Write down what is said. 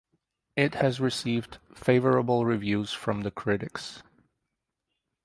It has received favorable reviews from critics.